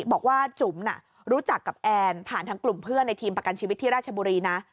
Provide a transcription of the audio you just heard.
บอกว่าจุ๋มรู้จักกับแอนผ่านทางกลุ่มเพื่อนในทีมประกันชีวิตที่ราชบุรีนะ